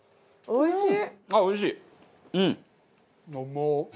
おいしい！